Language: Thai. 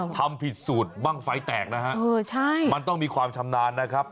ทำผิดสูตรบ้างไฟแตกนะฮะมันต้องมีความชำนาญนะครับ